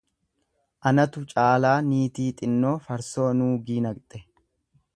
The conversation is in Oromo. Anatu caalaa niitii xinnoo, farsoo nuugii naqxe.